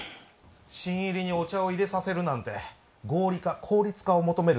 新入りにお茶をいれさせるなんて合理化効率化を求める